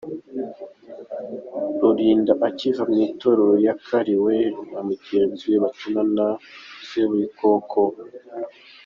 Rurinda akiva muri iritorero yakariwe na mugenziwe bakinana Sebu.